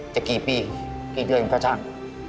จะกี่ปีกี่เดือนก็ช่าง